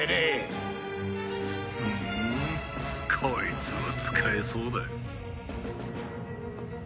ふんこいつは使えそうだ。